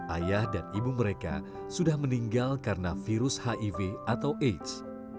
ayah dan ibu mereka sudah meninggal karena virus hiv atau aids